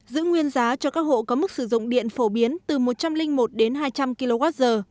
giữ nguyên giá cho các hộ có mức sử dụng điện phổ biến từ một trăm linh một đến hai trăm linh kwh